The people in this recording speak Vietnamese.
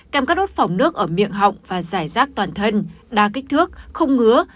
kèm các đốt phỏng nước ở miệng họng và giải rác toàn thân đa kích thước không ngứa